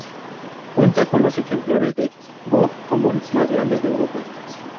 Cuenta con los ejemplares de boj común más grandes de Europa.